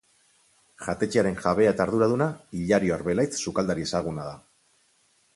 Jatetxearen jabea eta arduraduna Hilario Arbelaitz sukaldari ezaguna da.